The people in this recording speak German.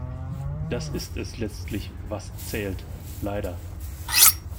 Das ist es letztlich was zählt, leider.